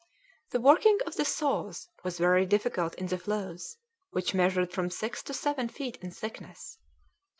The working of the saws was very difficult in the floes, which measured from six to seven feet in thickness.